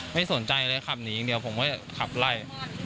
ไม่สนใจเลยขับหนีอย่างเดียวผมก็จะขับไล่